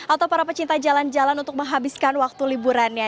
atau para pecinta jalan jalan untuk menghabiskan waktu liburannya